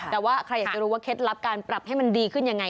แต่ว่าใครอยากจะรู้ว่าเคล็ดลับการปรับให้มันดีขึ้นยังไง